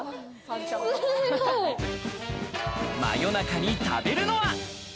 真夜中に食べるのは。